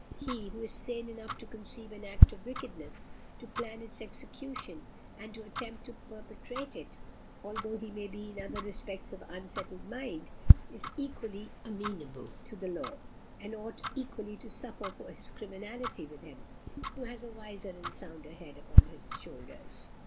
He who is sane enough to conceive an act of wickedness, to plan its execution, and to attempt to perpetrate it, although he may be in other respects of unsettled mind, is equally amenable to the law, and ought equally to suffer for his criminality with him who has a wiser and sounder head upon his shoulders."